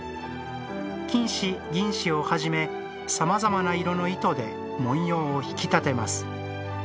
金糸・銀糸をはじめさまざまな色の糸で文様を引き立てます。